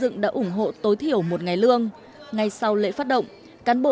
mỗi người ủng hộ tối thiểu một ngày lương cho đến chiều ngày hai mươi tháng năm